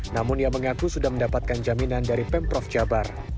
namun ia mengaku sudah mendapatkan jaminan dari pemprov jabar